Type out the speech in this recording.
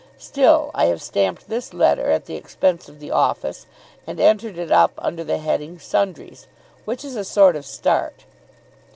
Still, I have stamped this letter at the expense of the office, and entered it up under the heading 'Sundries,' which is a sort of start.